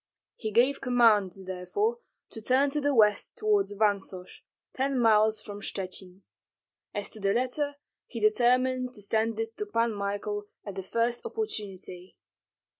He gave command, therefore, to turn to the west toward Vansosh, ten miles from Shchuchyn. As to the letter he determined to send it to Pan Michael at the first opportunity.